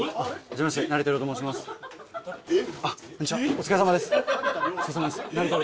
お疲れさまです。